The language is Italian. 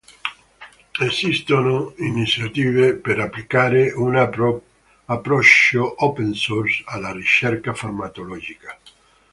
Esistono iniziative per applicare un approccio "open-source" alla ricerca farmacologica.